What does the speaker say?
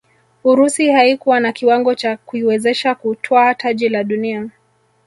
urusi haikuwa na kiwango cha kuiwezesha kutwaa taji la dunia